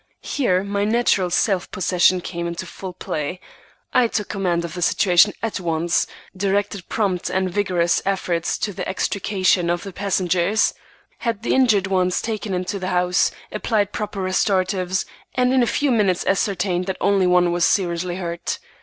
Here my natural self possession came into full play. I took command of the situation at once, directed prompt and vigorous efforts to the extrication of the passengers, had the injured ones taken into the house, applied proper restoratives, and in a few minutes ascertained that only one was seriously hurt.